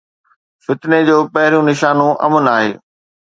فتني جو پهريون نشانو امن آهي.